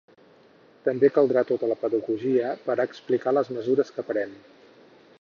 També caldrà tota la pedagogia per a explicar les mesures que pren.